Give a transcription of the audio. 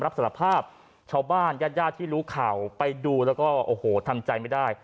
รับสารภาพชาวบ้านญาติย่าที่รู้ข่าวไปดูแล้วก็โอ้โหทำใจไม่ได้